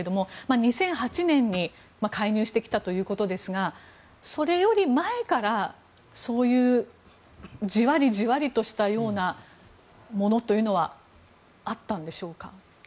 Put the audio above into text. ２００８年に介入してきたということですがそれより前からそういうじわりじわりとしたようなものというのはあったんでしょうか。